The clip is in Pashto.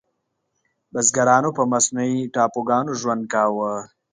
بزګرانو په مصنوعي ټاپوګانو ژوند کاوه.